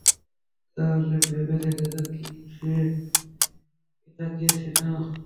তাহলে ভেবে দেখেছো কি, সে পিতা কে ছিল?